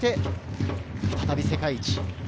再び世界一。